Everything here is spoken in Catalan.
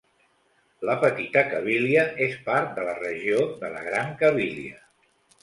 La Petita Cabilia és part de la regió de la Gran Cabilia.